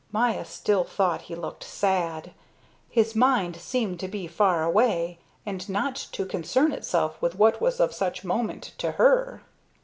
Maya still thought he looked sad. His mind seemed to be far away and not to concern itself with what was of such moment to her.